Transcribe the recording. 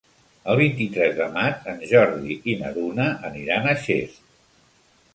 El vint-i-tres de maig en Jordi i na Duna aniran a Xest.